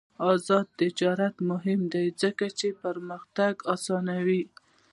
آزاد تجارت مهم دی ځکه چې پرمختګ اسانوي.